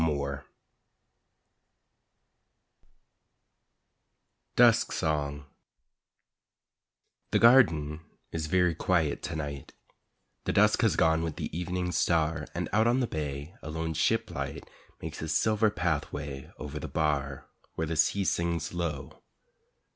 Moore DUSK SONG The garden is very quiet to night, The dusk has gone with the Evening Star, And out on the bay a lone ship light Makes a silver pathway over the bar Where the sea sings low.